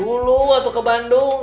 dulu waktu ke bandung